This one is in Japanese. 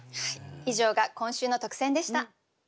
以上が今週の特選でした。